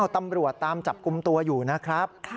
ตำรวจตามจับกลุ่มตัวอยู่นะครับ